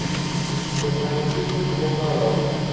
قورئانەکەی برد بۆ ماڵەوە.